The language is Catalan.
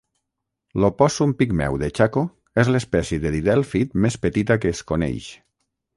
L'opòssum pigmeu de Chaco és l'espècie de didèlfid més petita que es coneix.